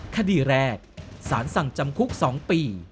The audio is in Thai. คดีแรกสารสั่งจำคุก๒ปี